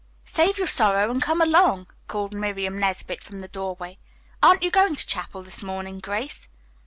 "Save your sorrow and come along," called Miriam Nesbit from the doorway. "Aren't you going to chapel this morning, Grace?"